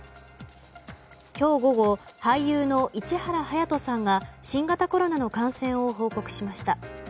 今日午後、俳優の市原隼人さんが新型コロナの感染を報告しました。